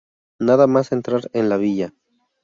Nada más entrar en la villa.